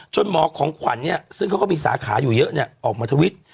หมอของขวัญเนี่ยซึ่งเขาก็มีสาขาอยู่เยอะออกมาทวิต